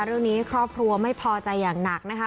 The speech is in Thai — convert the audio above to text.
เรื่องนี้ครอบครัวไม่พอใจอย่างหนักนะคะ